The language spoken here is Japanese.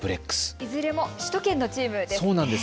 いずれも首都圏のチームです。